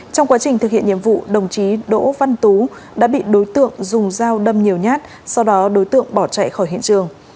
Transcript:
trong quá trình thực hiện nhiệm vụ đồng chí đỗ văn tú đã bị đối tượng dùng dao đâm nhiều nhát sau đó đối tượng bỏ chạy khỏi hiện trường